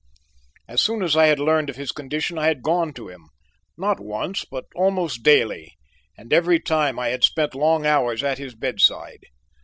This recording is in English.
As soon as I had learned of his condition I had gone to him, not once but almost daily, and each time I had spent long hours at his bedside.